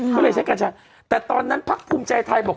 ก็เลยใช้กัญชาแต่ตอนนั้นพักภูมิใจไทยบอก